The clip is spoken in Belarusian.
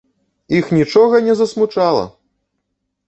Іх нічога не засмучала!